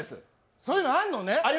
そういうのあんのね。